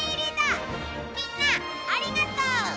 みんなありがとう！